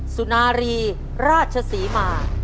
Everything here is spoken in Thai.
สุนารีราชศรีมา